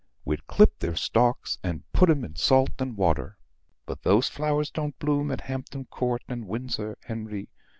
We'd clip their stalks and put 'em in salt and water. But those flowers don't bloom at Hampton Court and Windsor, Henry."